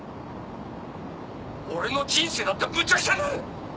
俺の人生だってむちゃくちゃになる！